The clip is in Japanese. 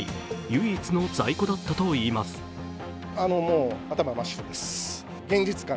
唯一の在庫だったといいます。